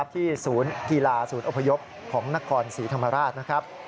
ศูนย์กีฬาศูนย์อพยพของนครศรีธรรมราชนะครับ